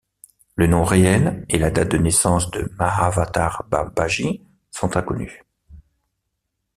Le nom réel et la date de naissance de Mahavatar Babaji sont inconnus.